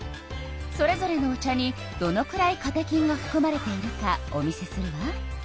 それぞれのお茶にどのくらいカテキンがふくまれているかお見せするわ。